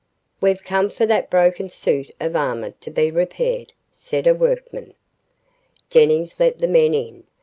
"We've come for that broken suit of armor to be repaired," said a workman. Jennings let the men in.